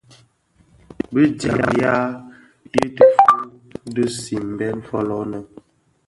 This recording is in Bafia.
Bi djaň ya i dhufuu dhi simbèn fōlō nnë.